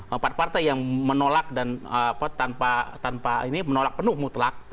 empat partai yang menolak tanpa ini menolak penuh mutlak